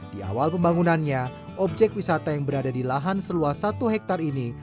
di awal pembangunannya objek wisata yang berada di lahan seluas satu hektare ini